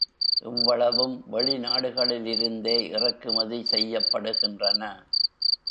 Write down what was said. இவ்வளவும் வெளி நாடுகளுலிருந்தே இறக்குமதி செய்யப்படுகின்றன.